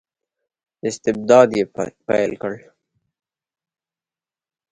استبداد یې پیل کړ.